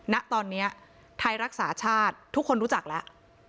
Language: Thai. ณตอนนี้ไทยรักษาชาติทุกคนรู้จักแล้ว